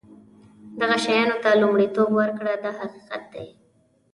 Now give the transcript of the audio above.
دغه شیانو ته لومړیتوب ورکړه دا حقیقت دی.